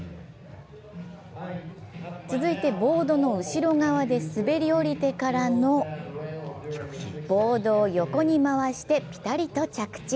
続いてボードの後ろ側で滑り降りてからのボードを横に回してぴたりと着地。